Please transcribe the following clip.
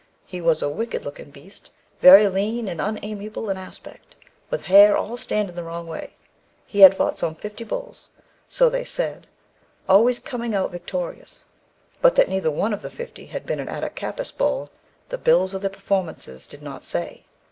He was a wicked looking beast, very lean and unamiable in aspect, with hair all standing the wrong way. He had fought some fifty bulls (so they said), always coming out victorious, but that neither one of the fifty had been an Attakapas bull, the bills of the performances did not say.